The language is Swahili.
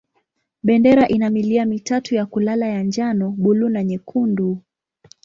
Bendera ina milia mitatu ya kulala ya njano, buluu na nyekundu.